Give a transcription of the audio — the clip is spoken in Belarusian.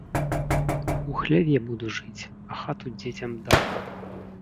У хляве буду жыць, а хату дзецям дам!